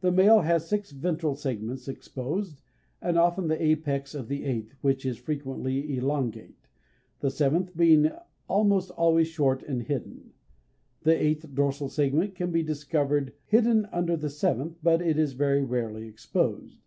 The [male] has six ventral segments exposed, and often the apex of the eighth, which is frequently elongate, the seventh being almost always short and hidden; the eighth dorsal segment can be discovered hidden under the seventh, but it is very rarely exposed.